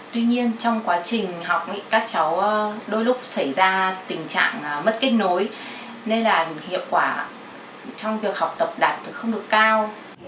tuy nhiên trong quá trình học các cháu đôi lúc xảy ra tình trạng mất kết nối nên là hiệu quả trong việc học tập đạt được không đủ cao